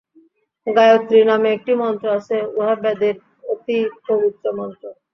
গায়ত্রী নামে একটি মন্ত্র আছে, উহা বেদের অতি পবিত্র মন্ত্র।